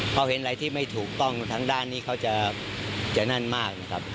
พอเห็นอะไรที่ไม่ถูกต้องทางด้านนี้เขาจะนั่นมากนะครับ